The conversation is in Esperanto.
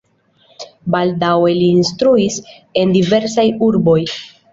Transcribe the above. Baldaŭe li instruis en diversaj urboj.